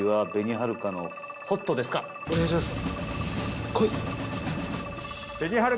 飯尾：お願いします。